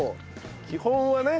基本はね。